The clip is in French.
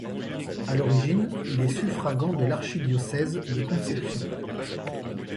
À l'origine, il est suffragant de l'archidiocèse de Concepción.